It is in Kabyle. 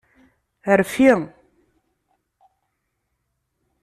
Rfi.